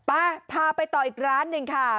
ไปพาไปต่ออีกร้านหนึ่งค่ะ